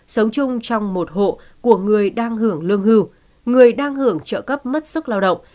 sống chung trong một hộ của người đang hưởng lương hưu người đang hưởng trợ cấp mất sức lao động